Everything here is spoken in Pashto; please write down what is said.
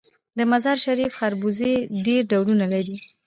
د مزار شریف خربوزې ډیر ډولونه لري.